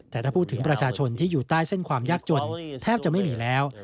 แต่ถ้าพูดถึงประชาชนที่อยู่ใต้เส้นความยากจนแทบจะไม่มีแล้ว